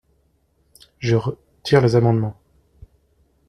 Je retire les amendements.